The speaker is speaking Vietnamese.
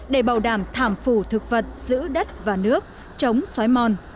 để bảo đảm thảm phủ thực vật giữ đất và nước chống xói mòn